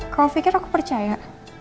kau pikir aku percaya